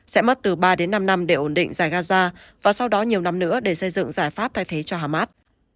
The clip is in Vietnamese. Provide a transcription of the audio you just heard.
sẽ mất từ ba đến năm năm để ổn định dài gaza và sau đó nhiều năm nữa để xây dựng giải pháp thay thế cho hamas